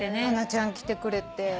ハナちゃん来てくれて。